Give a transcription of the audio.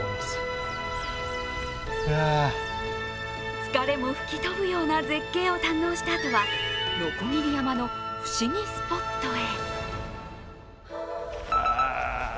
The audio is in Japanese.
疲れも吹き飛ぶような絶景を堪能したあとは鋸山の不思議スポットへ。